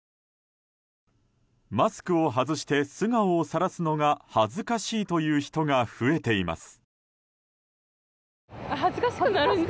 マスクを外して素顔をさらすのが恥ずかしいという人が増えています。